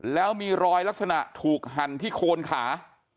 แล้วมีรอยลักษณะถูกหั่นที่โคนขา